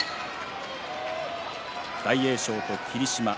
大栄翔と霧島。